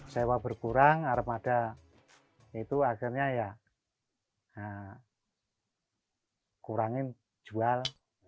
sewa berkurang armada itu akhirnya ya kurangin jual